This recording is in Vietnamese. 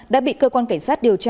đã bị cơ quan cảnh sát điều tra